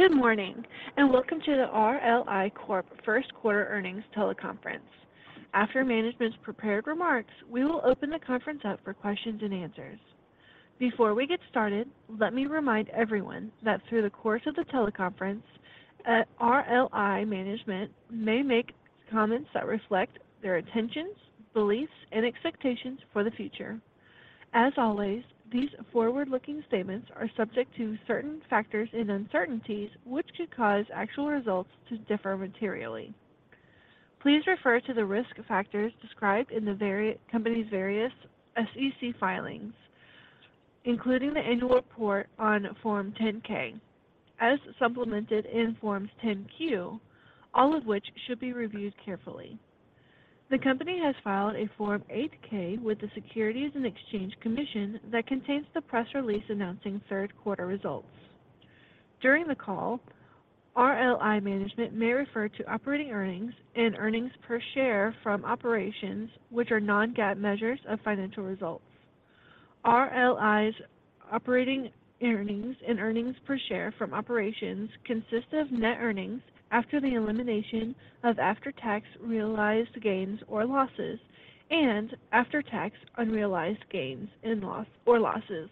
Good morning. Welcome to the RLI Corp. First Quarter Earnings Teleconference. After management's prepared remarks, we will open the conference up for questions and answers. Before we get started, let me remind everyone that through the course of the teleconference, at RLI management may make comments that reflect their intentions, beliefs, and expectations for the future. As always, these forward-looking statements are subject to certain factors and uncertainties, which could cause actual results to differ materially. Please refer to the risk factors described in the company's various SEC filings, including the annual report on Form 10-K, as supplemented in Forms 10-Q, all of which should be reviewed carefully. The company has filed a Form 8-K with the Securities and Exchange Commission that contains the press release announcing third quarter results. During the call, RLI management may refer to operating earnings and earnings per share from operations which are non-GAAP measures of financial results. RLI's operating earnings and earnings per share from operations consist of net earnings after the elimination of after-tax realized gains or losses and after-tax unrealized gains and loss or losses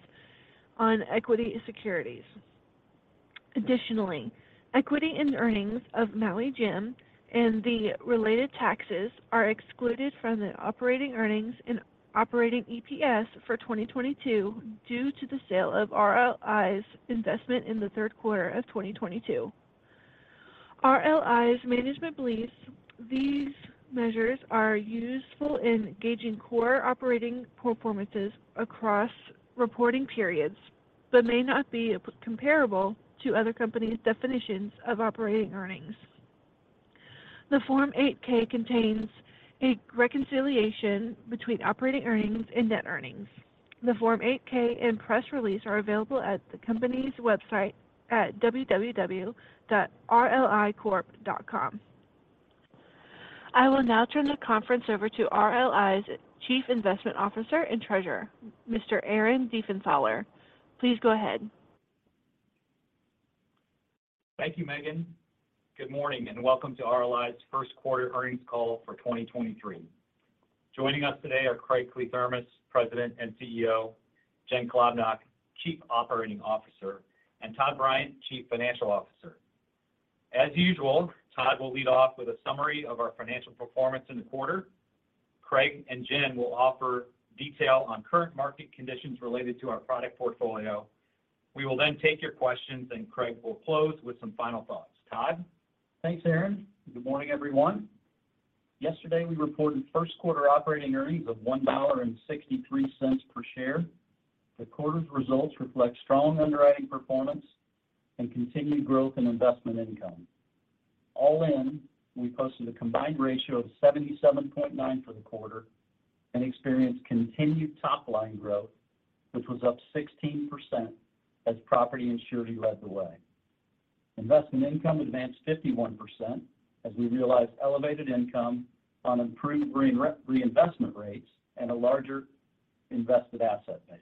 on equity securities. Additionally, equity and earnings of Maui Jim and the related taxes are excluded from the operating earnings and operating EPS for 2022 due to the sale of RLI's investment in the third quarter of 2022. RLI's management believes these measures are useful in gauging core operating performances across reporting periods but may not be comparable to other company's definitions of operating earnings. The Form 8-K contains a reconciliation between operating earnings and net earnings. The Form 8-K and press release are available at the company's website at www.rlicorp.com. I will now turn the conference over to RLI's Chief Investment Officer and Treasurer, Mr. Aaron Diefenthaler. Please go ahead. Thank you, Megan. Good morning, and welcome to RLI's first quarter earnings call for 2023. Joining us today are Craig Kliethermes, President and CEO, Jen Klobnak, Chief Operating Officer, and Todd Bryant, Chief Financial Officer. As usual, Todd will lead off with a summary of our financial performance in the quarter. Craig and Jen will offer detail on current market conditions related to our product portfolio. We will then take your questions, and Craig will close with some final thoughts. Todd? Thanks, Aaron. Good morning, everyone. Yesterday, we reported first quarter operating earnings of $1.63 per share. The quarter's results reflect strong underwriting performance and continued growth in investment income. All in, we posted a combined ratio of 77.9% for the quarter and experienced continued top-line growth, which was up 16% as property and surety led the way. Investment income advanced 51% as we realized elevated income on improved reinvestment rates and a larger invested asset base.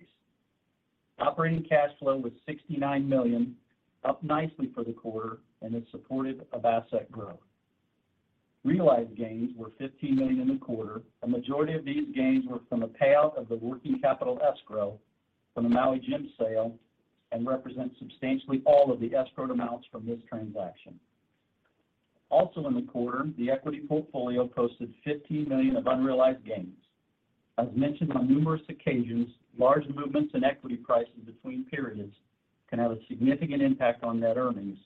Operating cash flow was $69 million, up nicely for the quarter and is supportive of asset growth. Realized gains were $15 million in the quarter. A majority of these gains were from a payout of the working capital escrow from the Maui Jim sale and represent substantially all of the escrowed amounts from this transaction. In the quarter, the equity portfolio posted $15 million of unrealized gains. As mentioned on numerous occasions, large movements in equity prices between periods can have a significant impact on net earnings,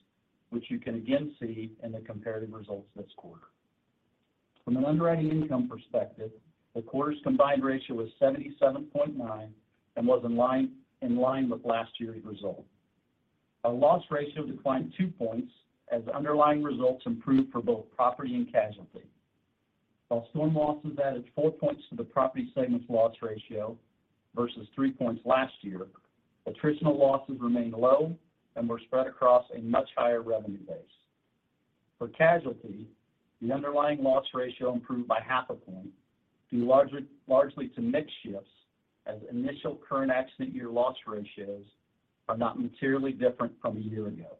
which you can again see in the comparative results this quarter. From an underwriting income perspective, the quarter's combined ratio was 77.9 and was in line with last year's result. Our loss ratio declined two points as underlying results improved for both property and casualty. While storm losses added four points to the property segment's loss ratio versus three points last year, attritional losses remained low and were spread across a much higher revenue base. For casualty, the underlying loss ratio improved by half a point due largely to mix shifts as initial current accident year loss ratios are not materially different from a year ago.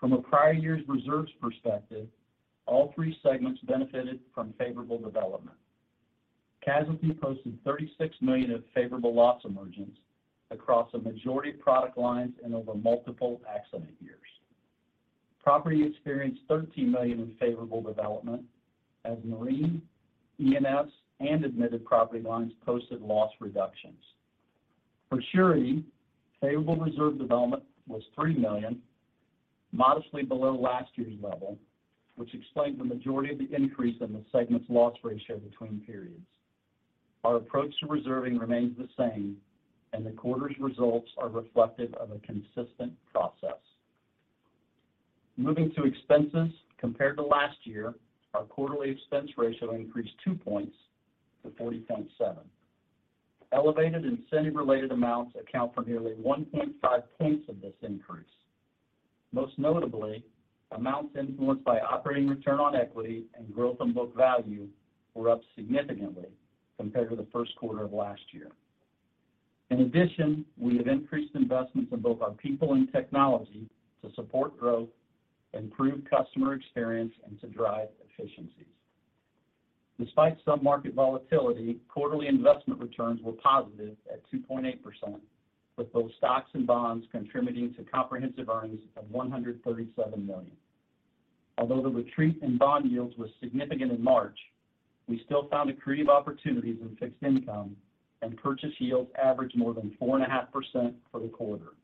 From a prior year's reserves perspective, all three segments benefited from favorable development. Casualty posted $36 million of favorable loss emergence across a majority of product lines and over multiple accident years. Property experienced $13 million in favorable development as Marine, E&S, and admitted property lines posted loss reductions. For surety, favorable reserve development was $3 million, modestly below last year's level, which explained the majority of the increase in the segment's loss ratio between periods. Our approach to reserving remains the same, and the quarter's results are reflective of a consistent process. Moving to expenses, compared to last year, our quarterly expense ratio increased two points to 40.7. Elevated incentive-related amounts account for nearly 1.5 points of this increase. Most notably, amounts influenced by operating return on equity and growth in Book Value were up significantly compared to the first quarter of last year. We have increased investments in both our people and technology to support growth, improve customer experience, and to drive efficiencies. Despite some market volatility, quarterly investment returns were positive at 2.8%, with both stocks and bonds contributing to comprehensive earnings of $137 million. The retreat in bond yields was significant in March, we still found accretive opportunities in fixed income and purchase yields averaged more than 4.5% for the quarter.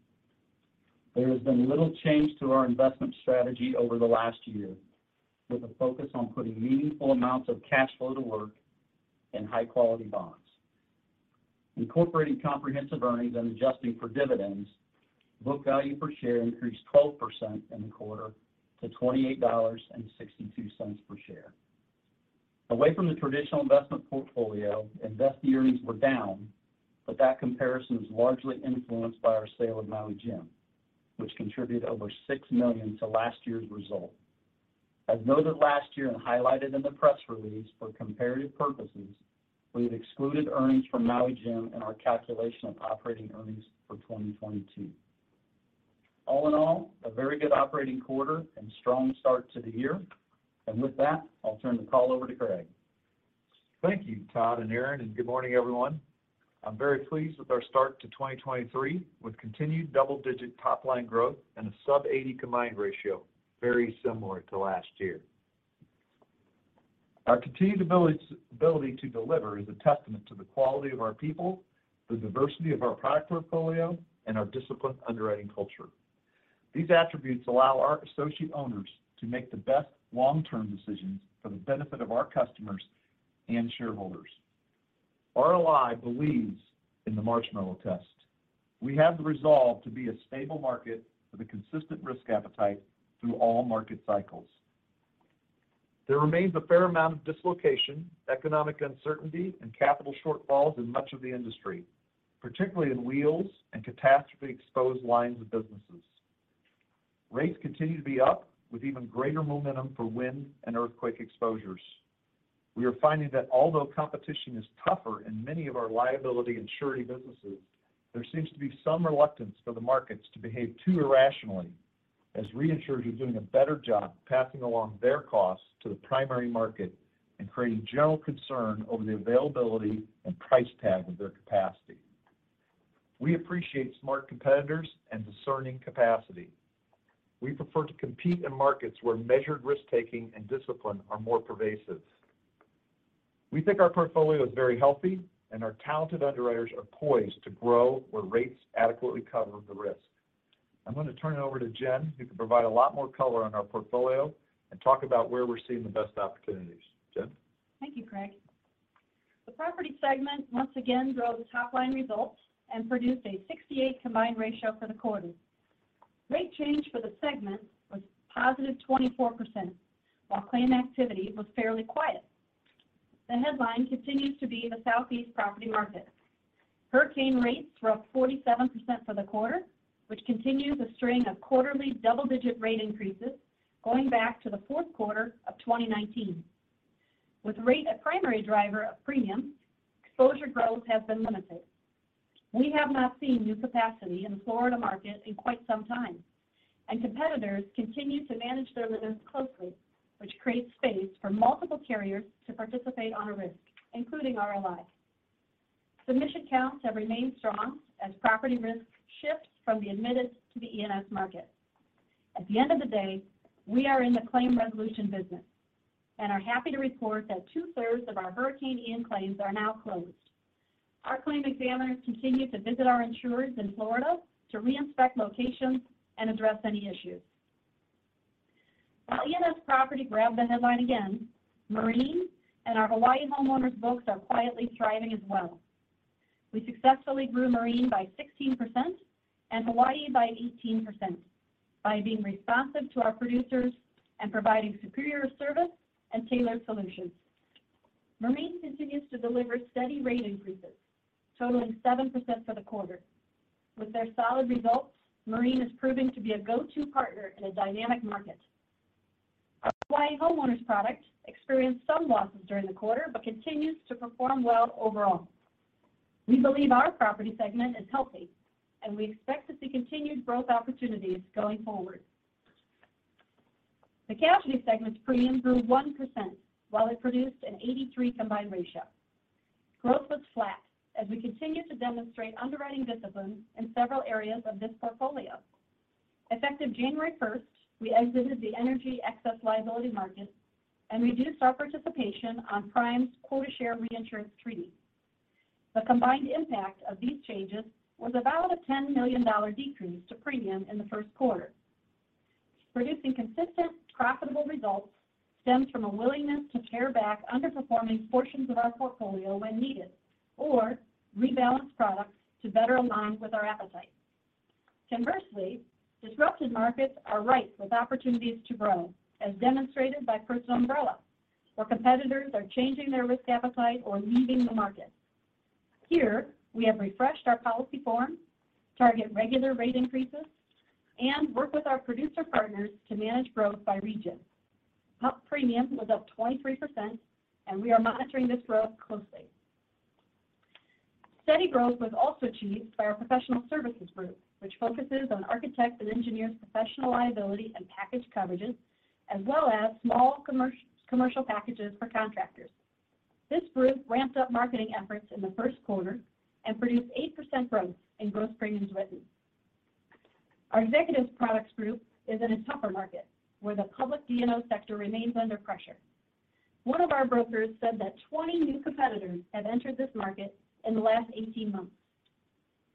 There has been little change to our investment strategy over the last year, with a focus on putting meaningful amounts of cash flow to work in high quality bonds. Incorporating comprehensive earnings and adjusting for dividends, Book Value per Share increased 12% in the quarter to $28.62 per share. Away from the traditional investment portfolio, investee earnings were down, but that comparison is largely influenced by our sale of Maui Jim, which contributed over $6 million to last year's result. As noted last year and highlighted in the press release for comparative purposes, we have excluded earnings from Maui Jim in our calculation of operating earnings for 2022. All in all, a very good operating quarter and strong start to the year. With that, I'll turn the call over to Craig. Thank you, Todd and Aaron, and good morning, everyone. I'm very pleased with our start to 2023, with continued double-digit top line growth and a sub 80 combined ratio, very similar to last year. Our continued ability to deliver is a testament to the quality of our people, the diversity of our product portfolio, and our disciplined underwriting culture. These attributes allow our associate owners to make the best long-term decisions for the benefit of our customers and shareholders. RLI believes in the marshmallow test. We have the resolve to be a stable market with a consistent risk appetite through all market cycles. There remains a fair amount of dislocation, economic uncertainty, and capital shortfalls in much of the industry, particularly in Wheels and catastrophe-exposed lines of businesses. Rates continue to be up with even greater momentum for wind and earthquake exposures. We are finding that although competition is tougher in many of our liability and surety businesses, there seems to be some reluctance for the markets to behave too irrationally as reinsurers are doing a better job passing along their costs to the primary market and creating general concern over the availability and price tag of their capacity. We appreciate smart competitors and discerning capacity. We prefer to compete in markets where measured risk-taking and discipline are more pervasive. We think our portfolio is very healthy and our talented underwriters are poised to grow where rates adequately cover the risk. I'm going to turn it over to Jen, who can provide a lot more color on our portfolio and talk about where we're seeing the best opportunities. Jen. Thank you, Craig. The property segment once again drove the top-line results and produced a 68 combined ratio for the quarter. Rate change for the segment was positive 24%, while claim activity was fairly quiet. The headline continues to be the Southeast property market. Hurricane rates were up 47% for the quarter, which continues a string of quarterly double-digit rate increases going back to the fourth quarter of 2019. With rate a primary driver of premium, exposure growth has been limited. We have not seen new capacity in the Florida market in quite some time, and competitors continue to manage their limits closely, which creates space for multiple carriers to participate on a risk, including RLI. Submission counts have remained strong as property risk shifts from the admitted to the E&S market. At the end of the day, we are in the claim resolution business and are happy to report that two-thirds of our Hurricane Ian claims are now closed. Our claim examiners continue to visit our insurers in Florida to reinspect locations and address any issues. While E&S property grabbed the headline again, Marine and our Hawaii Homeowners books are quietly thriving as well. We successfully grew Marine by 16% and Hawaii by 18% by being responsive to our producers and providing superior service and tailored solutions. Marine continues to deliver steady rate increases, totaling 7% for the quarter. With their solid results, Marine is proving to be a go-to partner in a dynamic market. Our Hawaii Homeowners product experienced some losses during the quarter, but continues to perform well overall. We believe our property segment is healthy and we expect to see continued growth opportunities going forward. The casualty segment's premium grew 1% while it produced an 83 combined ratio. Growth was flat as we continue to demonstrate underwriting discipline in several areas of this portfolio. Effective January 1st, we exited the energy excess liability market and reduced our participation on Prime's quota share reinsurance treaty. The combined impact of these changes was about a $10 million decrease to premium in the first quarter. Producing consistent, profitable results stems from a willingness to pare back underperforming portions of our portfolio when needed or rebalance products to better align with our appetite. Conversely, disrupted markets are ripe with opportunities to grow, as demonstrated by Personal Umbrella, where competitors are changing their risk appetite or leaving the market. Here, we have refreshed our policy form, target regular rate increases, and work with our producer partners to manage growth by region. PUP premium was up 23%, and we are monitoring this growth closely. Steady growth was also achieved by our Professional Services Group, which focuses on architects' and engineers' professional liability and package coverages, as well as small commercial packages for contractors. This group ramped up marketing efforts in the first quarter and produced 8% growth in gross premiums written. Our Executive Products Group is in a tougher market where the Public D&O sector remains under pressure. One of our brokers said that 20 new competitors have entered this market in the last 18 months.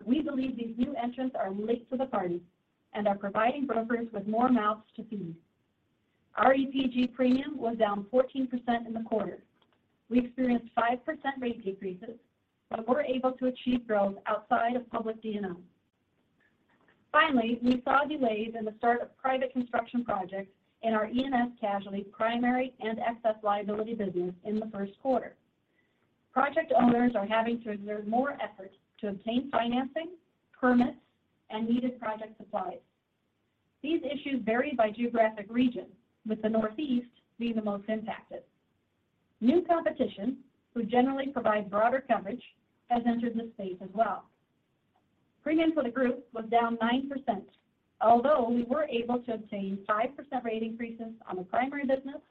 We believe these new entrants are late to the party and are providing brokers with more mouths to feed. Our EPG premium was down 14% in the quarter. We experienced 5% rate decreases, but were able to achieve growth outside of Public D&O. Finally, we saw delays in the start of private construction projects in our E&S casualty primary and excess liability business in the first quarter. Project owners are having to exert more effort to obtain financing, permits, and needed project supplies. These issues vary by geographic region, with the Northeast being the most impacted. New competition, who generally provide broader coverage, has entered the space as well. Premiums for the group was down 9%, although we were able to obtain 5% rate increases on the primary business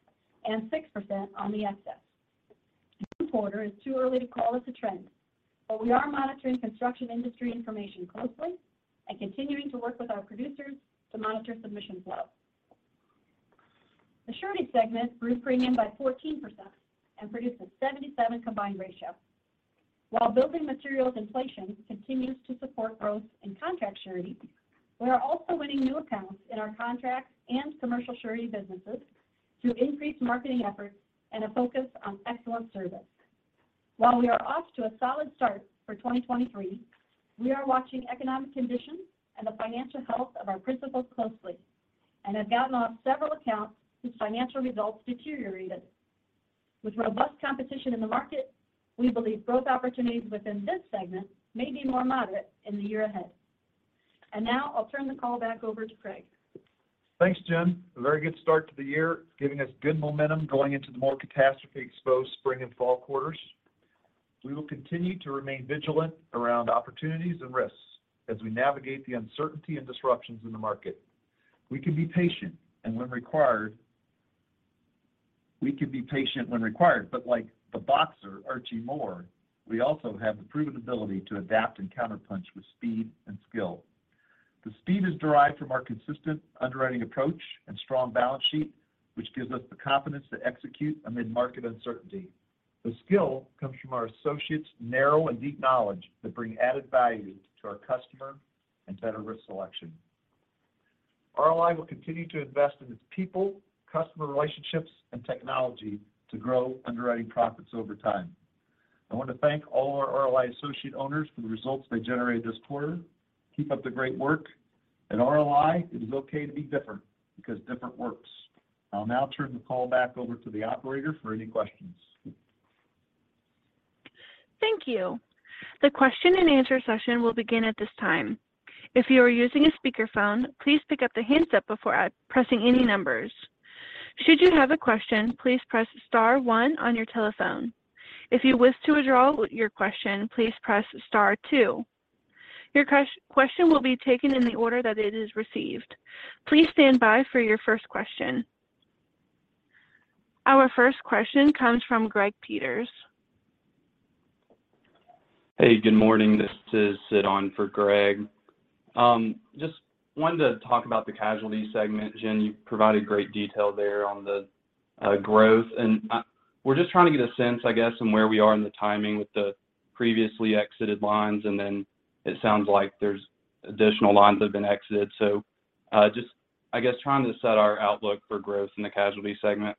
and 6% on the excess. One quarter is too early to call it a trend, but we are monitoring construction industry information closely and continuing to work with our producers to monitor submission flow. The Surety segment grew premium by 14% and produced a 77 combined ratio. While building materials inflation continues to support growth in contract surety, we are also winning new accounts in our contract and commercial surety businesses through increased marketing efforts and a focus on excellent service. While we are off to a solid start for 2023, we are watching economic conditions and the financial health of our principals closely and have gotten off several accounts whose financial results deteriorated. With robust competition in the market, we believe growth opportunities within this segment may be more moderate in the year ahead. Now I'll turn the call back over to Craig. Thanks, Jen. A very good start to the year, giving us good momentum going into the more catastrophe-exposed spring and fall quarters. We will continue to remain vigilant around opportunities and risks as we navigate the uncertainty and disruptions in the market. We can be patient when required, but like the boxer Archie Moore, we also have the proven ability to adapt and counterpunch with speed and skill. The speed is derived from our consistent underwriting approach and strong balance sheet, which gives us the confidence to execute amid market uncertainty. The skill comes from our associates' narrow and deep knowledge that bring added value to our customer and better risk selection. RLI will continue to invest in its people, customer relationships, and technology to grow underwriting profits over time. I want to thank all our RLI associate owners for the results they generated this quarter. Keep up the great work. At RLI, it is okay to be different because different works. I'll now turn the call back over to the operator for any questions. Thank you. The question-and-answer session will begin at this time. If you are using a speakerphone, please pick up the handset before pressing any numbers. Should you have a question, please press star one on your telephone. If you wish to withdraw your question, please press star two. Your question will be taken in the order that it is received. Please stand by for your first question. Our first question comes from Greg Peters. Hey, good morning. This is Sid on for Greg. Just wanted to talk about the casualty segment. Jen, you provided great detail there on the growth. We're just trying to get a sense, I guess, on where we are in the timing with the previously exited lines, and then it sounds like there's additional lines that have been exited. Just, I guess, trying to set our outlook for growth in the casualty segment.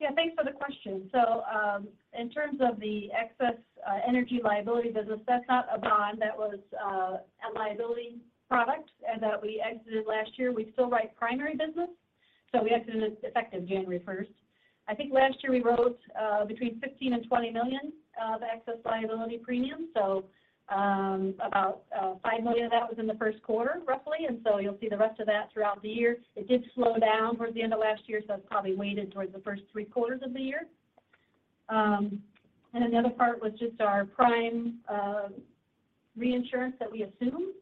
Yeah. Thanks for the question. In terms of the excess energy liability business, that's not a bond. That was a liability product that we exited last year. We still write primary business. We exited it effective January 1st. I think last year we wrote between $15 million and $20 million of excess liability premium. About $5 million of that was in the first quarter, roughly. You'll see the rest of that throughout the year. It did slow down towards the end of last year, so that's probably weighted towards the first three quarters of the year. Another part was just our Prime reinsurance that we assumed.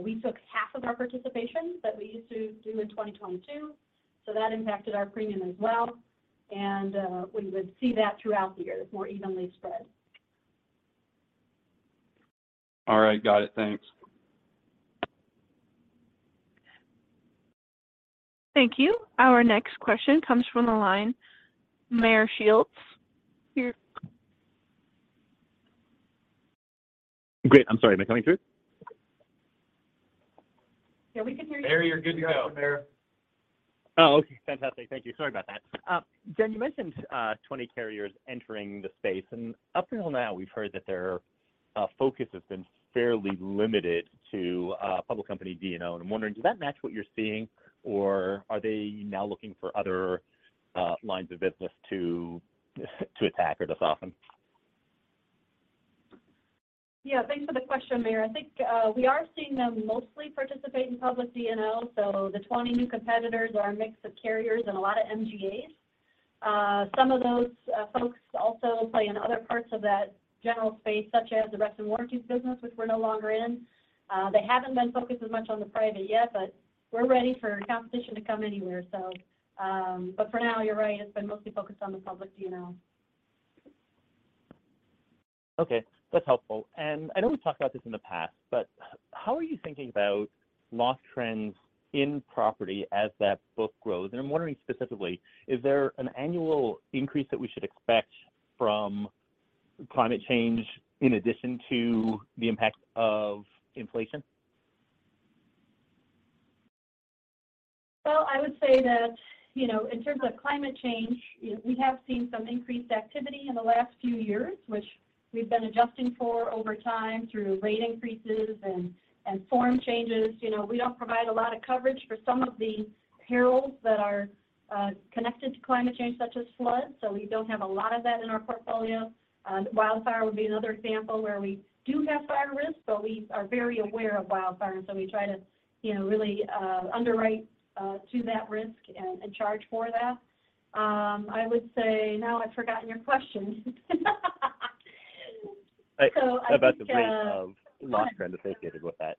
We took half of our participation that we used to do in 2022, so that impacted our premium as well. We would see that throughout the year. It's more evenly spread. All right. Got it. Thanks. Thank you. Our next question comes from the line, Meyer Shields. Great. I'm sorry. Am I coming through? Yeah, we can hear you now. There you're good to go, Meyer. Okay. Fantastic. Thank you. Sorry about that. Jen, you mentioned 20 carriers entering the space, up until now, we've heard that their focus has been fairly limited to Public D&O. I'm wondering, does that match what you're seeing, or are they now looking for other lines of business to attack or to soften? Yeah, thanks for the question, Meyer Shields. I think we are seeing them mostly participate in public P&L, so the 20 new competitors are a mix of carriers and a lot of MGAs. Some of those folks also play in other parts of that general space, such as the reps and warranties business, which we're no longer in. They haven't been focused as much on the private yet, but we're ready for competition to come anywhere. For now, you're right, it's been mostly focused on the public P&L. Okay, that's helpful. I know we've talked about this in the past, but how are you thinking about loss trends in property as that book grows? I'm wondering specifically, is there an annual increase that we should expect from climate change in addition to the impact of inflation? Well, I would say that, you know, in terms of climate change, we have seen some increased activity in the last few years, which we've been adjusting for over time through rate increases and form changes. You know, we don't provide a lot of coverage for some of the perils that are connected to climate change, such as floods, so we don't have a lot of that in our portfolio. Wildfire would be another example where we do have fire risk, but we are very aware of wildfires, so we try to, you know, really underwrite to that risk and charge for that. I would say. Now I've forgotten your question. I think. About the rate of loss trend associated with that.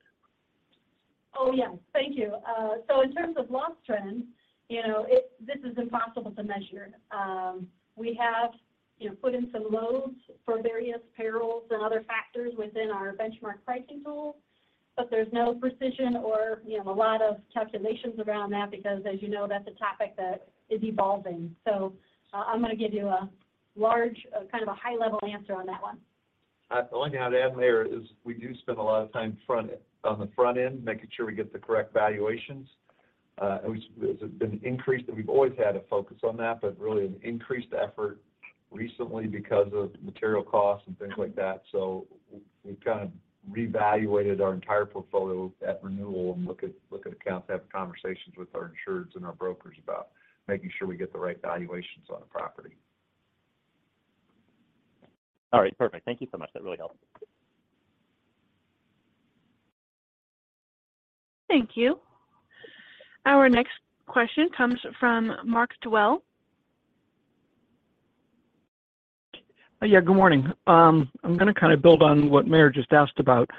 Oh, yes. Thank you. In terms of loss trends, you know, this is impossible to measure. We have, you know, put in some loads for various perils and other factors within our benchmark pricing tool, but there's no precision or, you know, a lot of calculations around that because, as you know, that's a topic that is evolving. I'm gonna give you a large, a kind of a high-level answer on that one. The only thing I'd add, Meyer Shields, is we do spend a lot of time on the front end making sure we get the correct valuations. There's been an increase that we've always had a focus on that, but really an increased effort recently because of material costs and things like that. We've kind of reevaluated our entire portfolio at renewal and look at accounts, have conversations with our insureds and our brokers about making sure we get the right valuations on a property. All right, perfect. Thank you so much. That really helped. Thank you. Our next question comes from Mark Dwelle. Yeah, good morning. I'm gonna kind of build on what Meyer just asked about.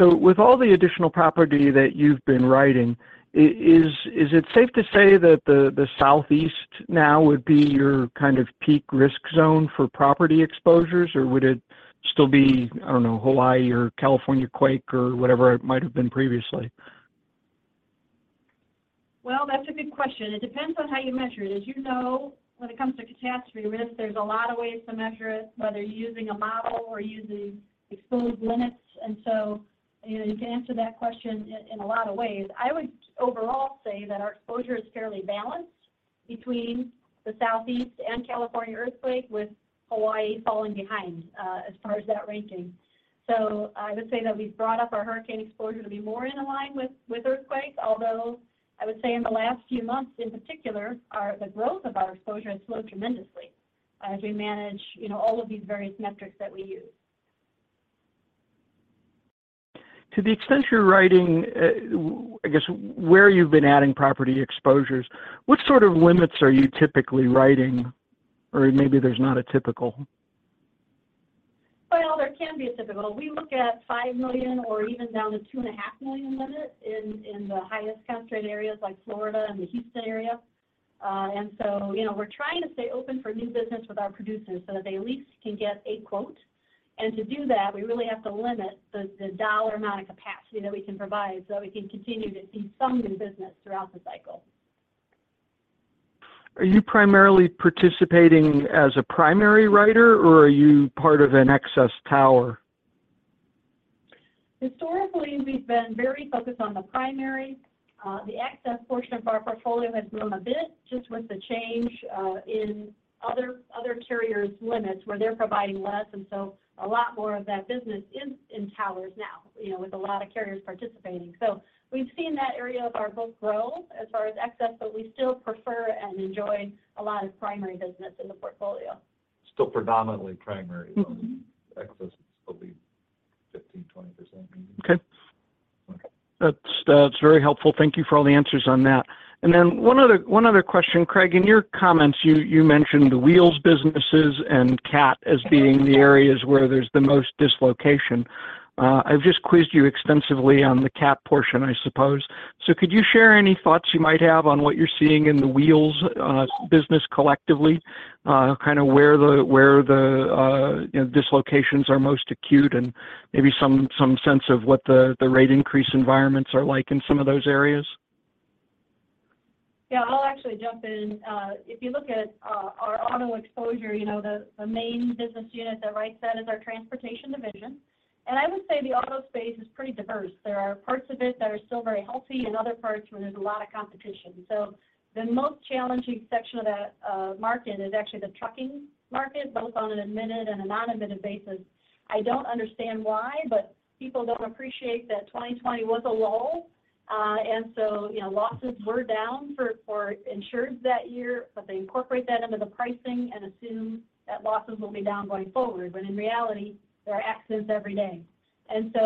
With all the additional property that you've been writing, is it safe to say that the Southeast now would be your kind of peak risk zone for property exposures? Would it still be, I don't know, Hawaii or California quake or whatever it might have been previously? Well, that's a good question. It depends on how you measure it. As you know, when it comes to catastrophe risk, there's a lot of ways to measure it, whether using a model or using exposed limits. You know, you can answer that question in a lot of ways. I would overall say that our exposure is fairly balanced between the Southeast and California earthquake, with Hawaii falling behind as far as that ranking. I would say that we've brought up our hurricane exposure to be more in line with earthquakes. Although, I would say in the last few months, in particular, the growth of our exposure has slowed tremendously as we manage, you know, all of these various metrics that we use. To the extent you're writing, where you've been adding property exposures, what sort of limits are you typically writing? Or maybe there's not a typical. Well, there can be a typical. We look at $5 million or even down to $2.5 million limit in the highest concentrated areas like Florida and the Houston area. You know, we're trying to stay open for new business with our producers so that they at least can get a quote. To do that, we really have to limit the dollar amount of capacity that we can provide so that we can continue to see some new business throughout the cycle. Are you primarily participating as a primary writer or are you part of an excess tower? Historically, we've been very focused on the primary. The excess portion of our portfolio has grown a bit just with the change in other carriers' limits where they're providing less, and so a lot more of that business is in towers now, you know, with a lot of carriers participating. We've seen that area of our book grow as far as excess, but we still prefer and enjoy a lot of primary business in the portfolio. Still predominantly primary- Mm-hmm ...only excess is probably 15%-20% maybe. Okay. Okay. That's very helpful. Thank you for all the answers on that. One other question. Craig, in your comments you mentioned the Wheels businesses and CAT as being the areas where there's the most dislocation. I've just quizzed you extensively on the CAT portion I suppose. Could you share any thoughts you might have on what you're seeing in the Wheels business collectively, kind of where the, you know, dislocations are most acute and maybe some sense of what the rate increase environments are like in some of those areas? Yeah, I'll actually jump in. If you look at our auto exposure, you know, the main business unit that Craig Kliethermes said is our RLI Transportation Division. I would say the auto space is pretty diverse. There are parts of it that are still very healthy and other parts where there's a lot of competition. The most challenging section of that market is actually the trucking market, both on an admitted and non-admitted basis. I don't understand why, but people don't appreciate that 2020 was a lull. You know, losses were down for insureds that year, but they incorporate that into the pricing and assume that losses will be down going forward. In reality, there are accidents every day.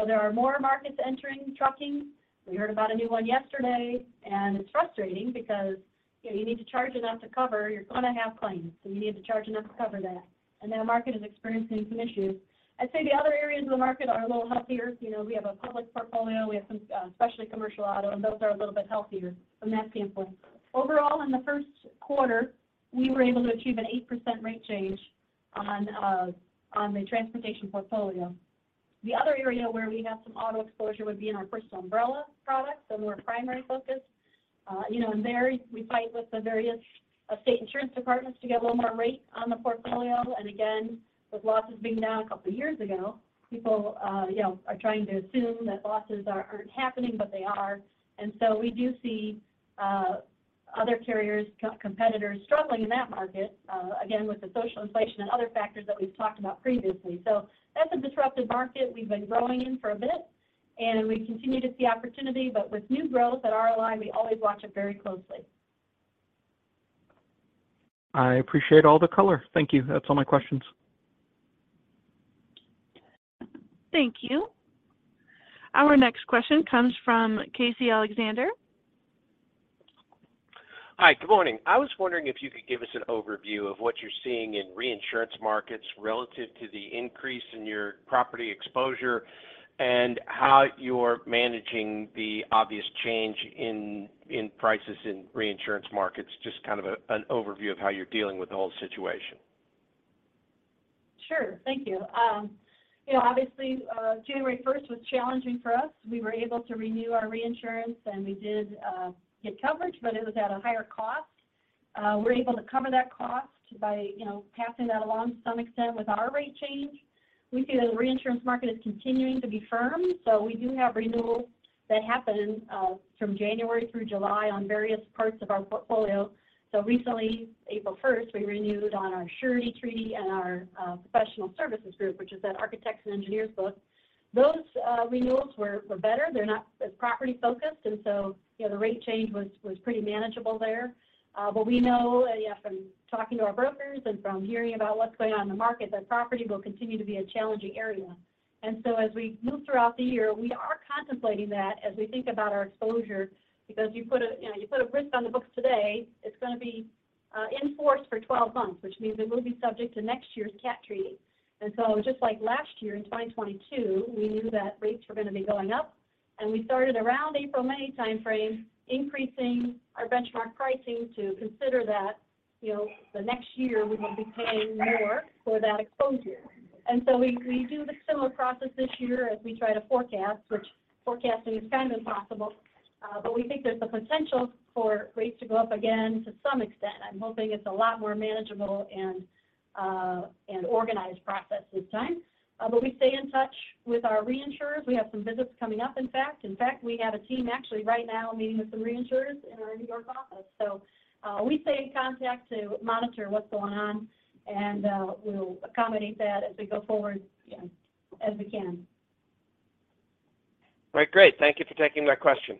There are more markets entering trucking. We heard about a new one yesterday. It's frustrating because, you know, you need to charge enough to cover. You're gonna have claims, so you need to charge enough to cover that. That market is experiencing some issues. I'd say the other areas of the market are a little healthier. You know, we have a public portfolio, we have some, especially commercial auto, and those are a little bit healthier from that standpoint. Overall, in the first quarter, we were able to achieve an 8% rate change on the transportation portfolio. The other area where we have some auto exposure would be in our Personal Umbrella product. More primary focused. You know, in there we fight with the various, state insurance departments to get a little more rate on the portfolio. Again, with losses being down a couple years ago, people, you know, are trying to assume that losses aren't happening, but they are. We do see other carriers, co-competitors struggling in that market, again, with the social inflation and other factors that we've talked about previously. That's a disruptive market we've been growing in for a bit, and we continue to see opportunity, but with new growth at RLI, we always watch it very closely. I appreciate all the color. Thank you. That's all my questions. Thank you. Our next question comes from Casey Alexander. Hi. Good morning. I was wondering if you could give us an overview of what you're seeing in reinsurance markets relative to the increase in your property exposure and how you're managing the obvious change in prices in reinsurance markets? Just kind of an overview of how you're dealing with the whole situation? Sure. Thank you. You know, obviously, January first was challenging for us. We were able to renew our reinsurance, we did get coverage, but it was at a higher cost. We're able to cover that cost by, you know, passing that along to some extent with our rate change. We see the reinsurance market is continuing to be firm, we do have renewals that happen from January through July on various parts of our portfolio. Recently, April first, we renewed on our surety treaty and our Professional Services Group, which is that architects and engineers book. Those renewals were better. They're not as property focused, you know, the rate change was pretty manageable there. We know, from talking to our brokers and from hearing about what's going on in the market, that property will continue to be a challenging area. As we move throughout the year, we are contemplating that as we think about our exposure because you put a, you know, you put a risk on the books today, it's gonna be in force for 12 months, which means it will be subject to next year's catastrophe treaty. Just like last year in 2022, we knew that rates were gonna be going up, and we started around April, May timeframe, increasing our benchmark pricing to consider that, you know, the next year we will be paying more for that exposure. We do the similar process this year as we try to forecast, which forecasting is kind of impossible. We think there's the potential for rates to go up again to some extent. I'm hoping it's a lot more manageable and organized process this time. We stay in touch with our reinsurers. We have some visits coming up, in fact. In fact, we have a team actually right now meeting with some reinsurers in our New York office. We stay in contact to monitor what's going on and we'll accommodate that as we go forward as we can. Right. Great. Thank you for taking my question.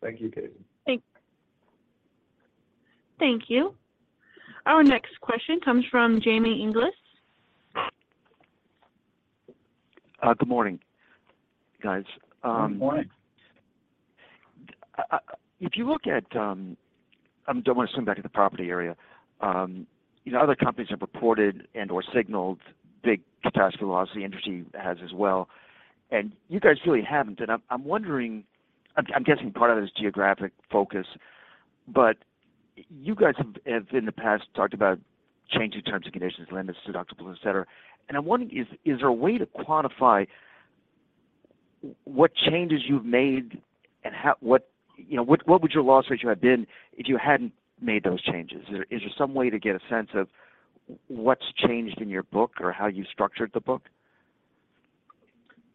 Thank you, Casey. Thank you. Our next question comes from Jamie Inglis. Good morning, guys. Good morning. If you look at, I wanna swing back to the property area. you know, other companies have reported and/or signaled big catastrophe losses. The industry has as well, and you guys really haven't. I'm wondering, I'm guessing part of it is geographic focus, but you guys have in the past talked about changing terms and conditions, limits, deductibles, et cetera. I'm wondering is there a way to quantify what changes you've made and what, you know, what would your loss ratio have been if you hadn't made those changes? Is there some way to get a sense of what's changed in your book or how you structured the book?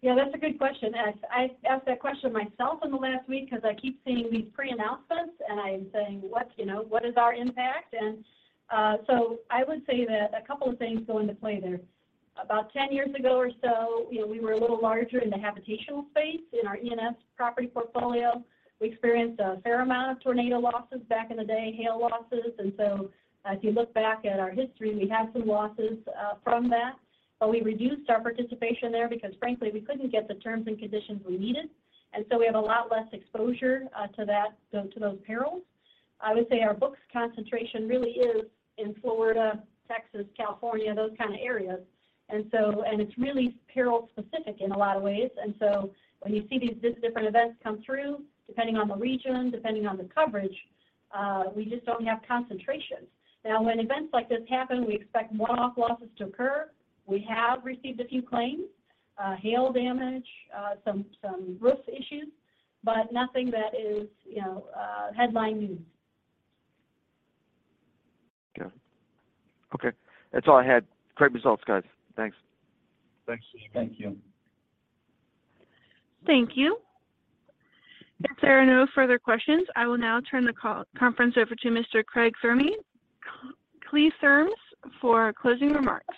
Yeah, that's a good question. I asked that question myself in the last week because I keep seeing these pre-announcements, and I am saying, "What," you know, "what is our impact?" I would say that a couple of things go into play there. About 10 years ago or so, you know, we were a little larger in the habitational space in our E&S property portfolio. We experienced a fair amount of tornado losses back in the day, hail losses. If you look back at our history, we have some losses from that. We reduced our participation there because frankly, we couldn't get the terms and conditions we needed. We have a lot less exposure to that, to those perils. I would say our books concentration really is in Florida, Texas, California, those kind of areas. ... and it's really peril specific in a lot of ways. When you see these different events come through, depending on the region, depending on the coverage, we just don't have concentration. Now, when events like this happen, we expect one-off losses to occur. We have received a few claims, hail damage, some roof issues, but nothing that is, you know, headline news. Okay. That's all I had. Great results, guys. Thanks. Thanks. Thank you. Thank you. If there are no further questions, I will now turn the conference over to Mr. Craig Kliethermes for closing remarks.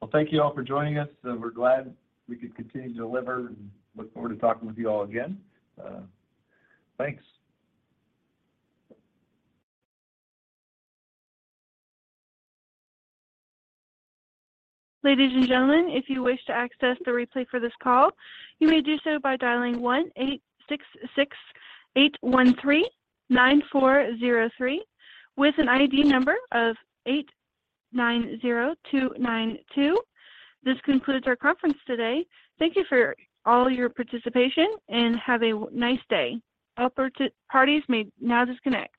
Well, thank you all for joining us. We're glad we could continue to deliver and look forward to talking with you all again. Thanks. Ladies and gentlemen, if you wish to access the replay for this call, you may do so by dialing 1-866-813-9403 with an ID number of 890292. This concludes our conference today. Thank you for all your participation and have a nice day. All parties may now disconnect.